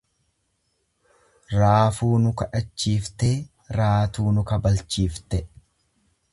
Raafuu nu kadhachiiftee raatuu nu kabalchiifte.